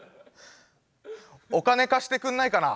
お金貸してくんないかな？